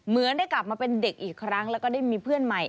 เหมือนได้กลับมาเป็นเด็กอีกครั้งแล้วก็ได้มีเพื่อนใหม่